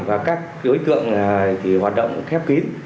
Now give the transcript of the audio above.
và các đối tượng hoạt động khép kín